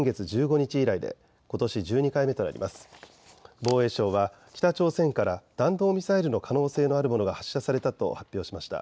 防衛省は北朝鮮から弾道ミサイルの可能性のあるものが発射されたと発表しました。